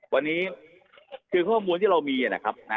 วันนี้คือข้อมูลที่เรามีนะครับ